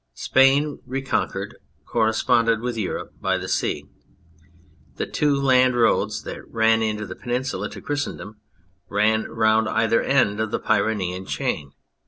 Spain, reconquered, corre sponded with Europe by the sea. The two land roads that bound the Peninsula to Christendom ran round either end of the Pyrenean Chain.